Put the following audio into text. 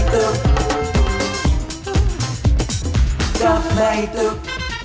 กรอบไม้ตุก